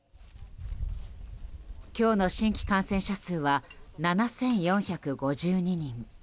今日の新規感染者数は７４５２人。